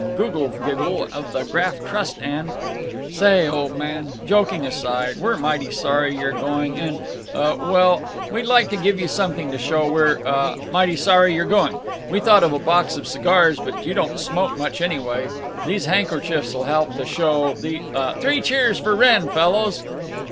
Gugglegiggle of the Graft Trust and— "Say, old man, joking aside, we're mighty sorry you're going and—uh—well, we'd like to give you something to show we're—uh—mighty sorry you're going. We thought of a box of cigars, but you don't smoke much; anyway, these han'k'chiefs'll help to show—Three cheers for Wrenn, fellows!"